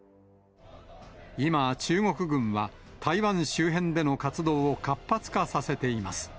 今、中国軍は台湾周辺での活動を活発化させています。